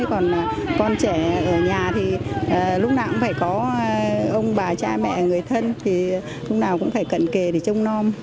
còn con trẻ ở nhà thì lúc nào cũng phải có ông bà cha mẹ người thân thì lúc nào cũng phải cận kề để trông non